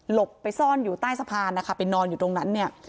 ไปซ่อนอยู่ใต้สะพานนะคะไปนอนอยู่ตรงนั้นเนี่ย